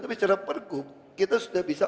tapi secara pergub kita sudah bisa